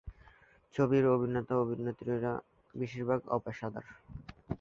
ছবির অভিনেতা-অভিনেত্রীরা বেশিরভাগই অপেশাদার।